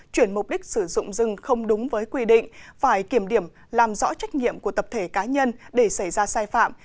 chuyển mục đích sử dụng rừng không đúng với quy định phải kiểm điểm làm rõ trách nhiệm của tập thể cá nhân để xảy ra sai phạm